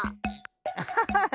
アハハハ！